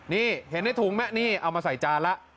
นี่เห็นได้ถูกไหมนี่เอามาใส่จานล่ะ